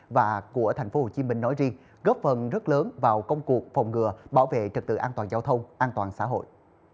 và của tp hcm nói riêng góp phần rất lớn vào công cuộc phòng ngừa bảo vệ trực tự an toàn giao thông an toàn xã hội